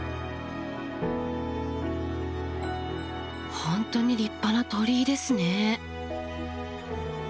本当に立派な鳥居ですね。